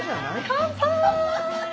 乾杯！